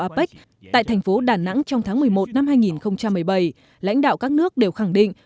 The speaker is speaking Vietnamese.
apec tại thành phố đà nẵng trong tháng một mươi một năm hai nghìn một mươi bảy lãnh đạo các nước đều khẳng định